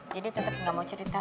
jadi tetep gak mau cerita